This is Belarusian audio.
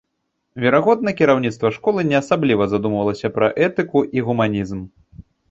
Верагодна, кіраўніцтва школы не асабліва задумвалася пра этыку і гуманізм.